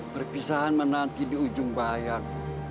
perpisahan menanti di ujung bayang